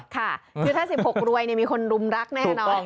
ค่ะคือถ้า๑๖รวยมีคนรุมรักแน่นอน